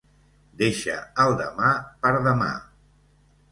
Deixa el demà per demà.